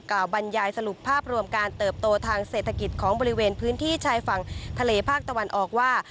บรรยายสรุปภาพรวมการเติบโตทางเศรษฐกิจของบริเวณพื้นที่ชายฝั่งทะเลภาคตะวันออกว่า